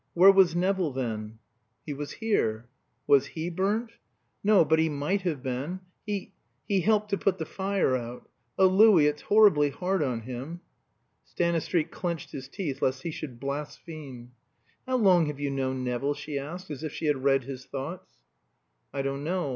Where was Nevill then?" "He was here." "Was he burnt?" "No; but he might have been. He he helped to put the fire out. Oh, Louis, it's horribly hard on him!" Stanistreet clenched his teeth lest he should blaspheme. "How long have you known Nevill?" she asked, as if she had read his thoughts. "I don't know.